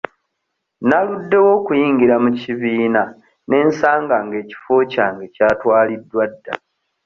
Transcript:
Naluddewo okuyingira mu kibiina ne nsanga nga ekifo kyange kyatwaliddwa dda.